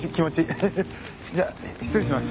ヘヘッじゃあ失礼します。